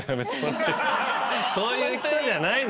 そういう人じゃない。